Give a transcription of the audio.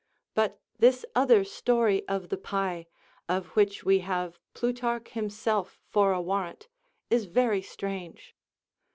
But this other story of the pie, of which we have Plutarch himself for a warrant, is very strange.